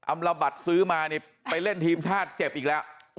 ระบัตรซื้อมานี่ไปเล่นทีมชาติเจ็บอีกแล้ว